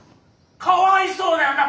「かわいそう」だよな？